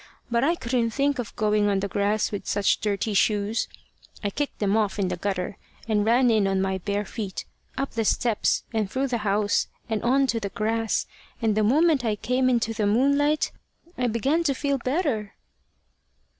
But I couldn't think of going on the grass with such dirty shoes: I kicked them off in the gutter, and ran in on my bare feet, up the steps, and through the house, and on to the grass; and the moment I came into the moonlight, I began to feel better."